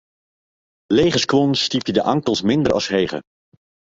Lege skuon stypje de ankels minder as hege.